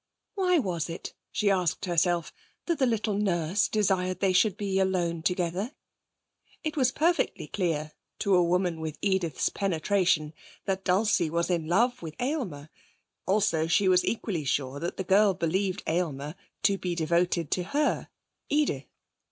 Why was it, she asked herself, that the little nurse desired they should be alone together? It was perfectly clear, to a woman with Edith's penetration, that Dulcie was in love with Aylmer. Also, she was equally sure that the girl believed Aylmer to be devoted to her, Edith.